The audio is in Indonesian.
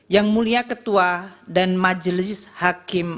yang mulia ketua dan majelis hakim